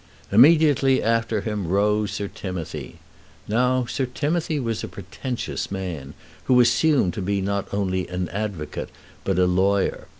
Immediately after him rose Sir Timothy. Now Sir Timothy was a pretentious man, who assumed to be not only an advocate but a lawyer.